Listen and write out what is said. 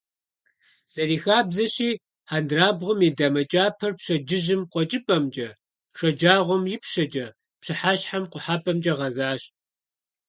Зэрыхабзэщи, хьэндырабгъуэм и дамэ кӀапэр пщэдджыжьым къуэкӀыпӀэмкӀэ, шэджагъуэм — ипщэкӀэ, пщыхьэщхьэм — къухьэпӀэмкӀэ гъэзащ.